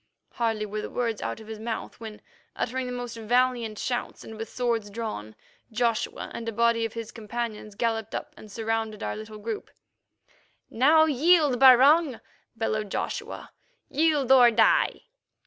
Hardly were the words out of his mouth when, uttering the most valiant shouts and with swords drawn, Joshua and a body of his companions galloped up and surrounded our little group. "Now yield, Barung," bellowed Joshua; "yield or die!"